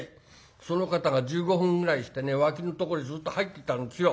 その方が１５分ぐらいしてね脇のところへずっと入っていったんですよ。